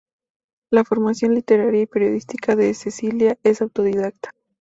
La formación literaria y periodística de Cecilia es autodidacta.